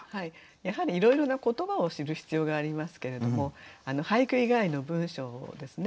やはりいろいろな言葉を知る必要がありますけれども俳句以外の文章ですね。